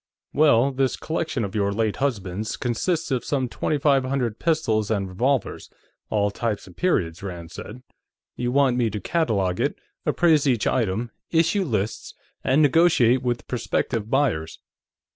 "Well, this collection of your late husband's consists of some twenty five hundred pistols and revolvers, all types and periods," Rand said. "You want me to catalogue it, appraise each item, issue lists, and negotiate with prospective buyers.